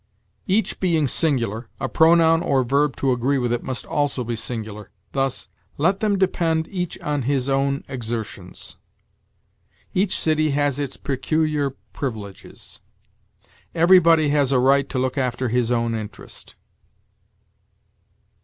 Each being singular, a pronoun or verb to agree with it must also be singular; thus, "Let them depend each on his own exertions"; "Each city has its peculiar privileges"; "Everybody has a right to look after his own interest."